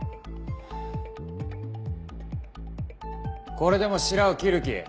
これでもしらを切る気？